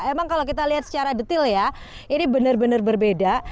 emang kalau kita lihat secara detail ya ini benar benar berbeda